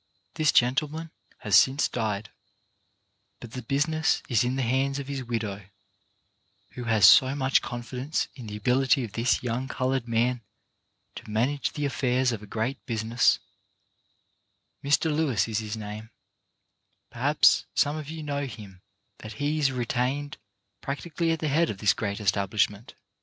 This gentle man has since died, but the business is in the hands of his widow, who has so much confidence in the ability of this young coloured man to manage the affairs of a great business — Mr. Lewis is his name; perhaps some of you know him — that he is retained, practically at the head of this great establishment.